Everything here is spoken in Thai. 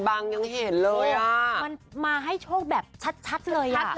มันมาให้โชคแบบชัดเลยอ่ะ